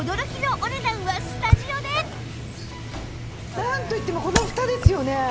さあなんといってもこのふたですよね。